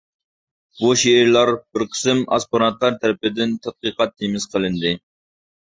بۇ شېئىرلار بىر قىسىم ئاسپىرانتلار تەرىپىدىن تەتقىقات تېمىسى قىلىندى.